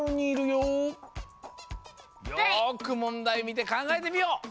よくもんだいみてかんがえてみよう。